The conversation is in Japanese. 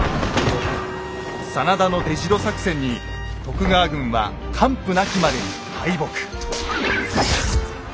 真田の出城作戦に徳川軍は完膚なきまでに敗北。